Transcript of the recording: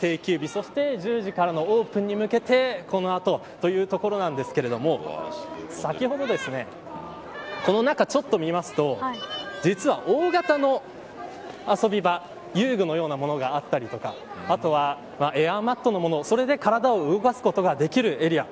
そして１０時からのオープンに向けこの後というところなんですが先ほどこの中をちょっと見ますと実は大型の遊び場遊具のようなものがあったりとかあとはエアマットのようなものそれで体を動かすことができるエリア。